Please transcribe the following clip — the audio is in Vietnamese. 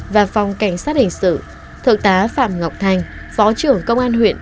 và phòng cảnh sát hình sự thượng tá phạm ngọc thành phó trưởng công an huyện